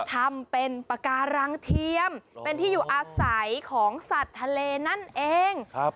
ทำเป็นปากการังเทียมเป็นที่อยู่อาศัยของสัตว์ทะเลนั่นเองครับ